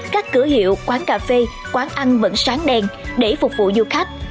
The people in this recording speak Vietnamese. các cửa hiệu quán cà phê quán ăn vẫn sáng đèn để phục vụ du khách